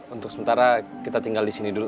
untuk sementara kita tinggal di sini dulu